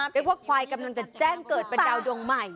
เรียกว่าควายกำลังจะแจ้งเกิดเป็นดาวดวงใหม่